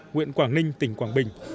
nguyện quảng ninh tỉnh quảng bình